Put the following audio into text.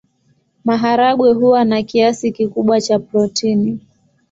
Maharagwe huwa na kiasi kikubwa cha protini.